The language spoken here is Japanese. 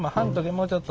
もうちょっと。